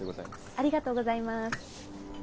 ありがとうございます。